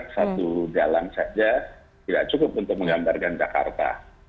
satu jalan saja tidak cukup untuk menggambarkan jakarta